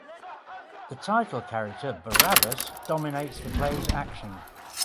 The title character, Barabas, dominates the play's action.